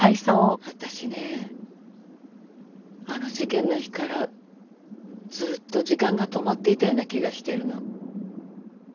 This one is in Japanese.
私ねあの事件の日からずっと時間が止まっていたような気がしているの。